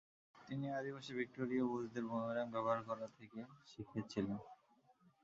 তিনি আদিবাসী ভিক্টোরীয় বুশদের বুমেরাং ব্যবহার করা থেকে শিখেছিলেন।